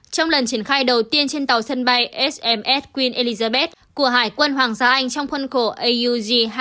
trong lần triển khai đầu tiên trên tàu sân bay sms queen elizabeth của hải quân hoàng gia anh trong khuân cổ aug hai nghìn hai mươi một